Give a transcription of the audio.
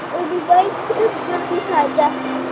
lebih baik kita pergi saja